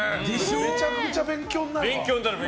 めちゃくちゃ勉強になる。